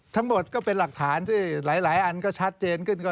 ทั้งหมดก็เป็นหลักฐานที่หลายอันก็ชัดเจนขึ้นก็